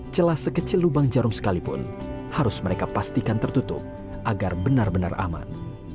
celah sekecil lubang jarum sekalipun harus mereka pastikan tertutup agar benar benar aman